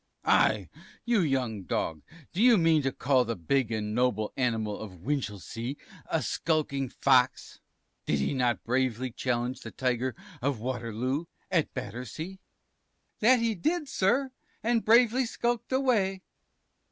T. Aye! you young dog, do you mean to call the big and noble animal of Winchelsea, a skulking Fox? Did he not bravely challenge the Tiger of Waterloo at Battersea? P. That he did, sir, and bravely skulked away.